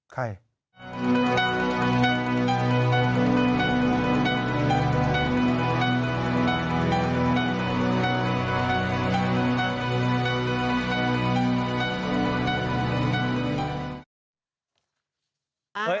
ใคร